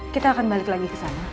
kita akan balik ke rumah sakit